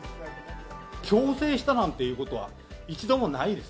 強制したなんていうことは一度もないです。